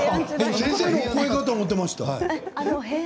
先生のお声かと思っていました。